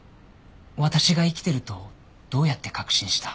私が生きているとどうやって確信した？